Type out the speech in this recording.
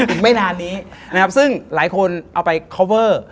อีกไม่นานนี้ซึ่งหลายคนเอาไปคอเวอร์